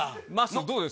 どうです？